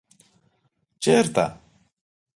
ـ چېرته؟